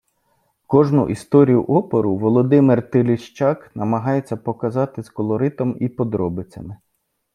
Кожну історію опору Володимир Тиліщак намагається показати з колоритом і подробицями.